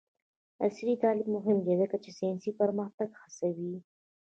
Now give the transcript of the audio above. عصري تعلیم مهم دی ځکه چې ساینسي پرمختګ هڅوي.